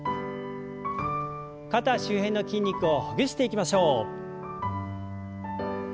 肩周辺の筋肉をほぐしていきましょう。